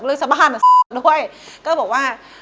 เรื่องชะบ้านมันศรีด้วยก็บอกว่า